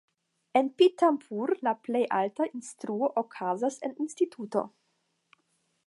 En Pithampur la plej alta instruo okazas en instituto.